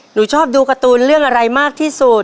หนูชอบดูการ์ตูนเรื่องอะไรมากที่สุด